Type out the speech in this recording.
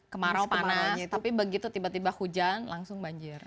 kemarau panas tapi begitu tiba tiba hujan langsung banjir